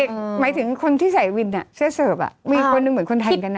หมายถึงคนที่ใส่วินเสื้อเสิร์ฟมีคนหนึ่งเหมือนคนไทยเหมือนกันนะ